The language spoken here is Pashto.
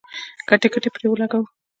که ټکټ یې پرې ولګولو.